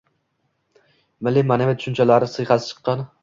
Milliy maʼnaviyat tushunchalari siyqasi chiqqan